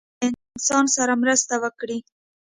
فلم باید له انسان سره مرسته وکړي